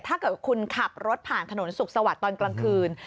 ถ้าเกิดคุณขับรถผ่านถนนสุขสวัสดิ์ตอนกลางคืน